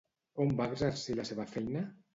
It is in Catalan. On va exercir la seva feina?